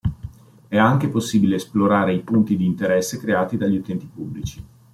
È anche possibile esplorare i punti di interesse creati dagli utenti pubblici.